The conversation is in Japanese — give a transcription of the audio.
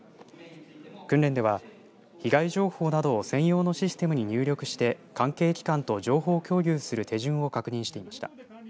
訓練では、被害情報などを専用のシステムに入力して関係機関と情報共有をする手順を確認していました。